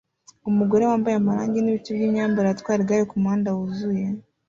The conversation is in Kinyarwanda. Umugore wambaye amarangi n'ibice by'imyambarire atwara igare kumuhanda wuzuye